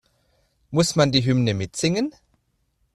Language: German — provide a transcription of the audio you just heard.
Muss man die Hymne mitsingen?